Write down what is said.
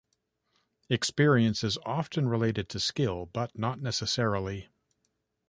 Experience is often related to skill, but not necessarily.